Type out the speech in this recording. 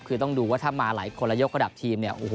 คือต้องดูว่าถ้ามาหลายคนละยกกระดับทีม